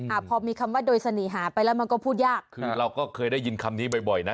อ่าพอมีคำว่าโดยเสน่หาไปแล้วมันก็พูดยากคือเราก็เคยได้ยินคำนี้บ่อยบ่อยนะ